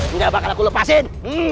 ini gak bakal aku lepasin